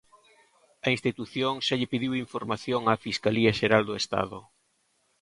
A institución xa lle pediu información á Fiscalía xeral do Estado.